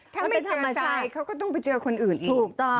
ถ้าไม่เจอซายเขาก็ต้องไปเจอคนอื่นอีก